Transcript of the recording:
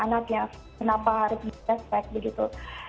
anaknya kenapa harus beli test pack begitu